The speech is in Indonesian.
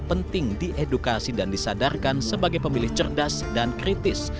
penting diedukasi dan disadarkan sebagai pemilih cerdas dan kritis